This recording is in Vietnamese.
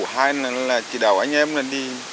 hay là chỉ đảo anh em đi